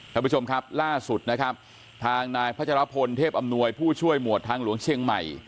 ท่านผู้ชมครับล่าสุดนะครับทางนายพัชรพลเทพอำนวยผู้ช่วยหมวดทางหลวงเชียงใหม่